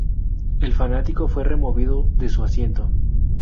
El fanático fue removido de su asiento.